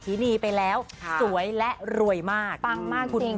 ทีนี้ไปแล้วสวยและรวยมากเน้นมากจริง